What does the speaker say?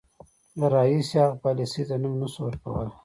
د راهیسې هغې پالیسۍ ته نوم نه شو ورکولای.